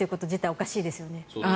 おかしいですよね。